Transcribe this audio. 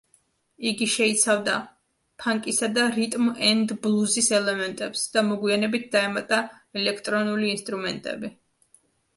იგი შეიცავდა ფანკისა და რიტმ ენდ ბლუზის ელემენტებს და მოგვიანებით დაემატა ელექტრონული ინსტრუმენტები.